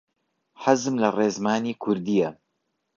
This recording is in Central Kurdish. حەزم لە ڕێزمانی کوردییە.